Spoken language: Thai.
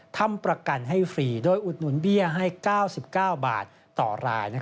ทำประกันให้ฟรีโดยอุดหนุนเบี้ยให้๙๙บาทต่อราย